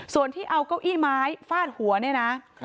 ส่วนที่เอาเก้าอี้ไม้ฟาดหัวเนี่ยนะ